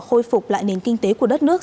khôi phục lại nền kinh tế của đất nước